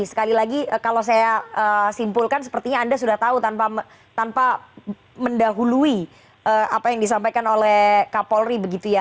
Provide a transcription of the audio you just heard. sekali lagi kalau saya simpulkan sepertinya anda sudah tahu tanpa mendahului apa yang disampaikan oleh kapolri begitu ya